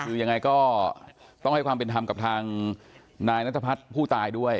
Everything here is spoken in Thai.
คือยังไงก็ต้องให้ความเป็นธรรมกับทางนายนัทพัฒน์ผู้ตายด้วย